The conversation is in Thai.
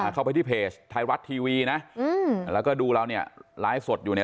เข้าไปที่เพจไทยรัฐทีวีนะแล้วก็ดูเราเนี่ยไลฟ์สดอยู่เนี่ย